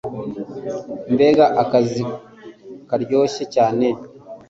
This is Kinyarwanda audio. mbega akazi karyoshe cyane